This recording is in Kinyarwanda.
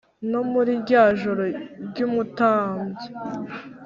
No muri rya joro ry'umutambya